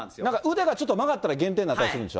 腕がちょっと曲がったら減点になったりするんでしょ？